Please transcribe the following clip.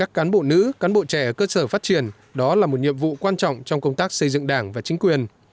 các cán bộ nữ cán bộ trẻ ở cơ sở phát triển đó là một nhiệm vụ quan trọng trong công tác xây dựng đảng và chính quyền